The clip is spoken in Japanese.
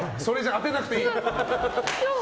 当てなくていい。